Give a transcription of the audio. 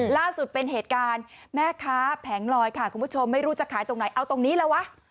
ล่าสุดเป็นเหตุการณ์แม่ค้าแผงลอยค่ะคุณผู้ชมไม่รู้จะขายตรงไหนเอาตรงนี้แล้ววะ